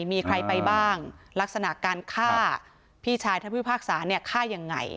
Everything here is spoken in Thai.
มีใครไปบ้างลักษณะการฆ่าพี่ชายท่านพิพากษาเนี่ยฆ่ายังไง